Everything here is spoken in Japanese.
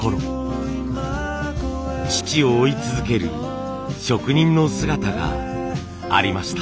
父を追い続ける職人の姿がありました。